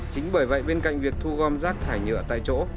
chính bởi vậy bên cạnh việc thu gom rác thải nhựa tại chỗ